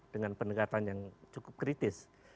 dengan pendekatan yang cukup kritis